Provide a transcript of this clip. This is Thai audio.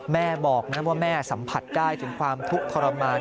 แม่บอกนะว่าแม่สัมผัสได้ถึงความทุกข์ทรมาน